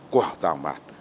quả tào mạt